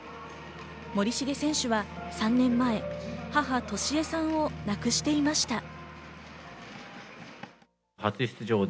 森重選手は３年前、母・俊恵さんを亡くしていました。